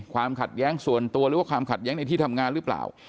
ความขัดแย้งส่วนตัวหรือว่าความขัดแย้งในที่ทำงานหรือเปล่า